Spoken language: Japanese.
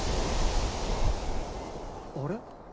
あれ？